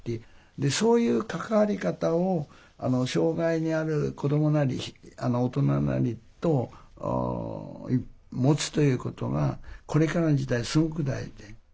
でそういう関わり方を障害のある子どもなり大人なりと持つということがこれからの時代すごく大事で。